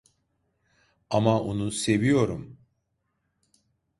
Ama onu seviyorum.